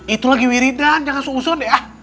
itu lagi wiridan jangan susun deh ah